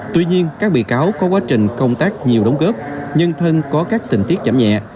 tuy nhiên các bị cáo có quá trình công tác nhiều đóng góp nhân thân có các tình tiết giảm nhẹ